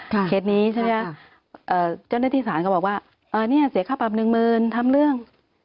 ค่ะเคสนี้ใช่ไหมค่ะเอ่อเจ้าหน้าที่ศาลก็บอกว่าเอ่อเนี่ยเสียค่าปรับหนึ่งเมินทำเรื่อง